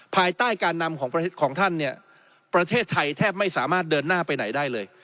ภายใต้การนำของประเทศของท่านเนี่ยประเทศไทยแทบไม่สามารถเดินหน้าไปไหนได้เลย